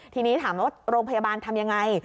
ทีนี้ถามว่าโรงพยาบาลทำยังไง